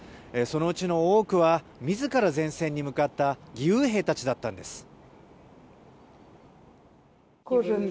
そのうちの多くは自ら前線に向かった義勇兵たちだったんです。